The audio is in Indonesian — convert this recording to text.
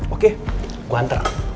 oke gue hantar